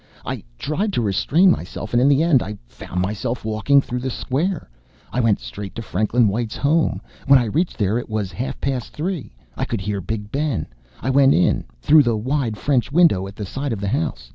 I tried to restrain myself, and in the end I found myself walking through the square. I went straight to Franklin White's home. When I reached there, it was half past three I could hear Big Ben. I went in through the wide French window at the side of the house.